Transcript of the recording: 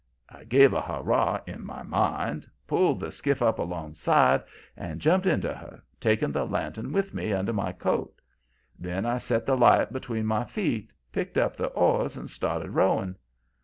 I gave a hurrah, in my mind, pulled the skiff up alongside and jumped into her, taking the lantern with me, under my coat. Then I set the light between my feet, picked up the oars and started rowing.